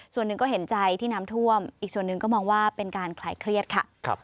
ส่วนหนึ่งก็เห็นใจที่น้ำท่วมอีกส่วนหนึ่งก็มองว่าเป็นการคลายเครียดค่ะ